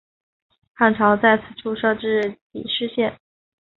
汉朝在此处设置己氏县。